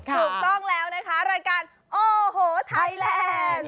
ถูกต้องแล้วนะคะรายการโอ้โหไทยแลนด์